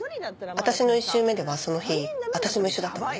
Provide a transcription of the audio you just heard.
私の１周目ではその日私も一緒だったのね。